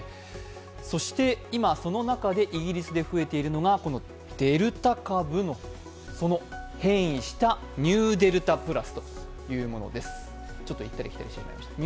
そして今、その中でイギリスで増えているのがデルタ株のその変異したニューデルタプラスというものです。